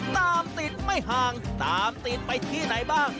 ตามติดไม่ห่างตามติดไปที่ไหนบ้าง